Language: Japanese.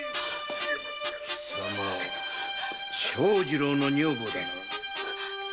貴様長次郎の女房だな。